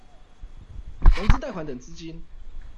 融資貸款等資金